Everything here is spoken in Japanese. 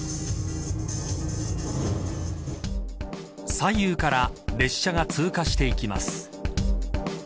左右から列車が通過していきます。